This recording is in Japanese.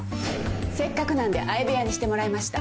せっかくなんで相部屋にしてもらいました